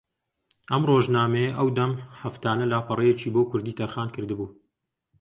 ئەم ڕۆژنامەیە ئەودەم ھەفتانە لاپەڕەیەکی بۆ کوردی تەرخان کردبوو